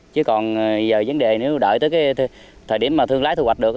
chứ còn giờ vấn đề nếu đợi tới cái thời điểm mà thương lái thu hoạch được